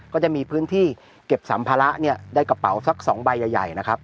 ก็จะมีพื้นที่เก็บสัมภาระเนี่ยได้กระเป๋าสัก๒ใบใหญ่นะครับ